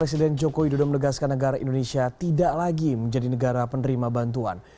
presiden joko widodo menegaskan negara indonesia tidak lagi menjadi negara penerima bantuan